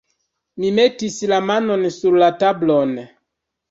Mi metis la manon sur la tablon.